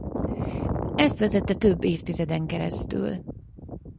Ezt vezette több évtizeden keresztül.